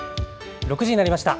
６時になりました。